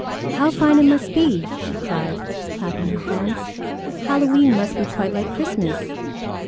"How fine it must be!" she cried, clapping her hands. "Halloween must be quite like Christmas!"